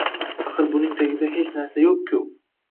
Axir buning tagida hech narsa yo‘q-ku?